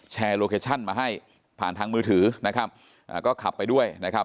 โลเคชั่นมาให้ผ่านทางมือถือนะครับอ่าก็ขับไปด้วยนะครับ